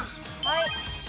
はい。